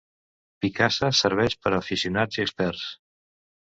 Picasa serveix per a aficionats i experts.